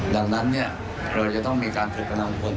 ดังนั้นเราจะต้องมีการทุกษ์กันลองคน